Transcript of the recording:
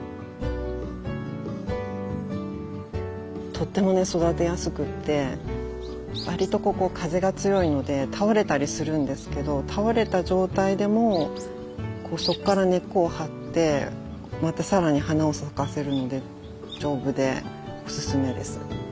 とってもね育てやすくてわりとここ風が強いので倒れたりするんですけど倒れた状態でもこうそっから根っこを張ってまた更に花を咲かせるので丈夫でおすすめです。